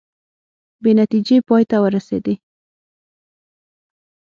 بې نتیجې پای ته ورسیدې